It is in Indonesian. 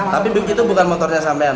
tapi begitu bukan motornya sampean